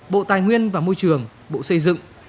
bộ tài nguyên và môi trường bộ xây dựng